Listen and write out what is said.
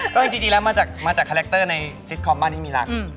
ก็จริงแล้วมาจากคาแรคเตอร์ในซิตคอมบ้านที่มีรัก